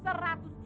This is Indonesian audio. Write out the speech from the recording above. saya ada bukannya